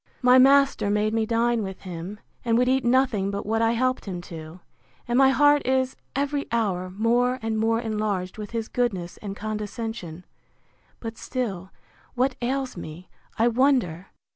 My master made me dine with him, and would eat nothing but what I helped him to; and my heart is, every hour, more and more enlarged with his goodness and condescension. But still, what ails me, I wonder!